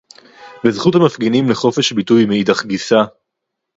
וזכות המפגינים לחופש ביטוי מאידך גיסא